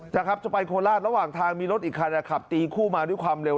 นะครับจะไปโคราชระหว่างทางมีรถอีกคันขับตีคู่มาด้วยความเร็ว